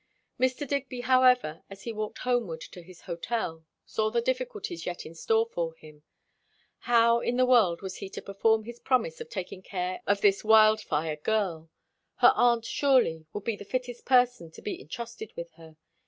Mr. Digby however, as he walked homeward to his hotel, saw the difficulties yet in store for him. How in the world was he to perform his promise of taking care of this wildfire girl? Her aunt surely, would be the fittest person to be intrusted with her.